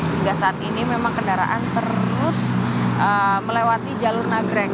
hingga saat ini memang kendaraan terus melewati jalur nagrek